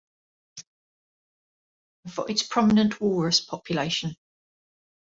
The island is known for its prominent walrus population.